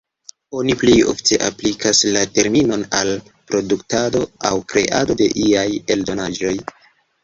Oni plej ofte aplikas la terminon al produktado aŭ kreado de iaj eldonaĵoj.